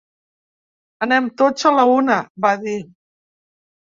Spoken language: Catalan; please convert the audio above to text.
Anem tots a la una!, va dir.